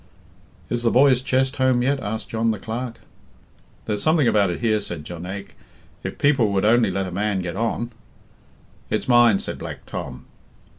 "Is the boy's chest home yet?" asked John the Clerk. "There's something about it here," said Jonaique, "if people would only let a man get on." "It's mine," said Black Tom.